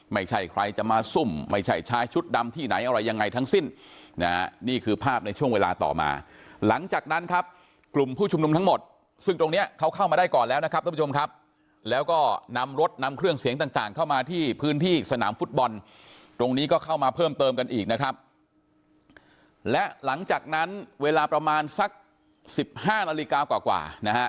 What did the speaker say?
ไม่ใช่ใครจะมาซุ่มไม่ใช่ชายชุดดำที่ไหนอะไรยังไงทั้งสิ้นนะฮะนี่คือภาพในช่วงเวลาต่อมาหลังจากนั้นครับกลุ่มผู้ชุมนุมทั้งหมดซึ่งตรงเนี้ยเขาเข้ามาได้ก่อนแล้วนะครับท่านผู้ชมครับแล้วก็นำรถนำเครื่องเสียงต่างเข้ามาที่พื้นที่สนามฟุตบอลตรงนี้ก็เข้ามาเพิ่มเติมกันอีกนะครับและหลังจากนั้นเวลาประมาณสักสิบห้านาฬิกากว่านะฮะ